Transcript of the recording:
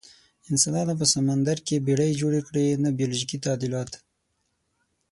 انسانانو په سمندر کې بیړۍ جوړې کړې، نه بیولوژیکي تعدیلات.